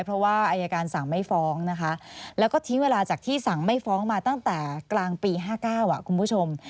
เพราะว่าอายการสั่งไม่ฟ้องนะคะแล้วก็ทิ้งเวลาจากที่สั่งไม่ฟ้องมาตั้งแต่กลางปี๕๙คุณผู้ชม